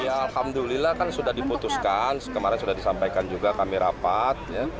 ya alhamdulillah kan sudah diputuskan kemarin sudah disampaikan juga kami rapat